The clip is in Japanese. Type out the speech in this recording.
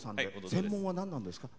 専門は何なんですか？